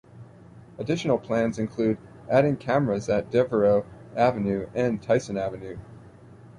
Additional plans include adding cameras at Devereaux Avenue and Tyson Avenue.